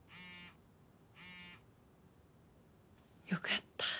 よかった。